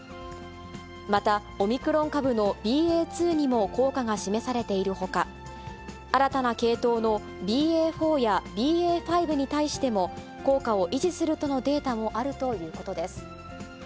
また、オミクロン株のＢＡ．２にも効果が示されているほか、新たな系統のＢＡ．４やＢＡ．５に対しても、効果を維持するとのデータもあるということです。